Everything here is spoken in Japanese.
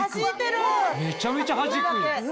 めちゃめちゃはじく！